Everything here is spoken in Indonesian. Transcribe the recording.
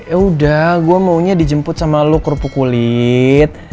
ya udah gue maunya dijemput sama lo kerupuk kulit